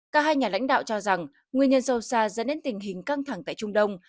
cả hai nhà lãnh đạo cho rằng nguyên nhân sâu xa dẫn đến tình hình căng thẳng tại trung đông